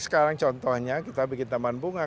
sekarang contohnya kita bikin taman bunga